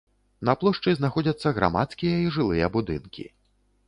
На плошчы знаходзяцца грамадскія і жылыя будынкі.